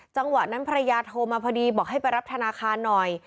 จังหวะนั้นภรรยาโทรมาพอดีบอกให้ไปรับธนาคารหน่อย